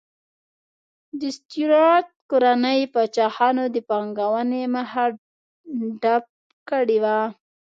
د سټیورات کورنۍ پاچاهانو د پانګونې مخه ډپ کړې وه.